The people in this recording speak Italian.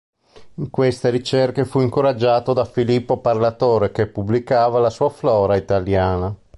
In queste ricerche fu incoraggiato da Filippo Parlatore che pubblicava la sua Flora italiana.